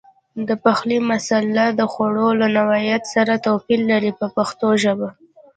د پخلي مساله د خوړو له نوعیت سره توپیر لري په پښتو ژبه.